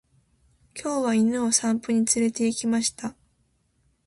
今日は犬を散歩に連れて行きました。